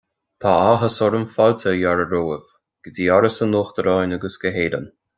Tá áthas orm fáilte a fhearadh romhaibh go dtí Áras an Uachtaráin agus go hÉireann